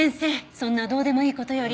そんなどうでもいい事より。